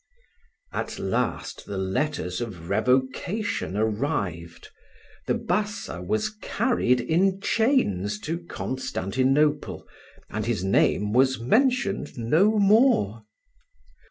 At last the letters of revocation arrived: the Bassa was carried in chains to Constantinople, and his name was mentioned no more.